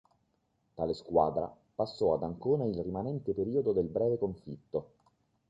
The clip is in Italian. Tale squadra passò ad Ancona il rimanente periodo del breve conflitto.